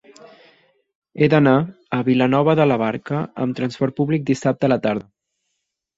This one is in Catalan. He d'anar a Vilanova de la Barca amb trasport públic dissabte a la tarda.